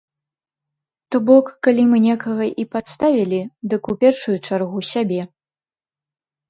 То бок, калі мы некага і падставілі, дык у першую чаргу сябе!